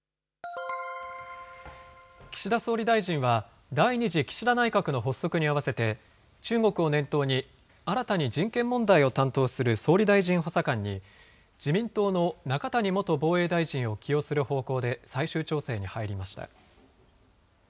岸田総理大臣は、第２次岸田内閣の発足に合わせて、中国を念頭に新たに人権問題を担当する総理大臣補佐官に、自民党の中谷元防衛大臣を起用する方向で最終調整に入りました。